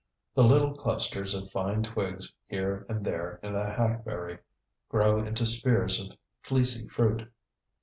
The little clusters of fine twigs here and there in the hackberry grow into spheres of fleecy fruit.